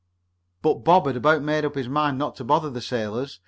But Bob had about made up his mind not to bother the sailors.